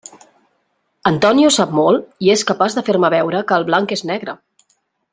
Antonio sap molt i és capaç de fer-me veure que el blanc és negre.